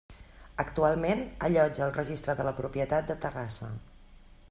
Actualment allotja el Registre de la Propietat de Terrassa.